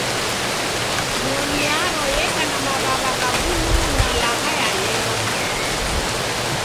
Nyonyi yaro yeka na maw'aw'a gha buluu na lagha ya yelo